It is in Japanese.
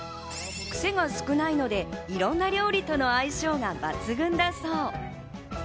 クセが少ないので、いろんな料理との相性が抜群だそう。